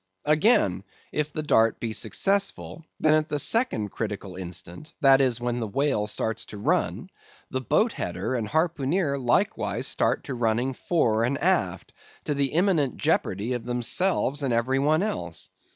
Again, if the dart be successful, then at the second critical instant, that is, when the whale starts to run, the boatheader and harpooneer likewise start to running fore and aft, to the imminent jeopardy of themselves and every one else.